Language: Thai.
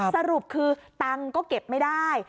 สรุปคือตังค์ก็เก็บไม่ได้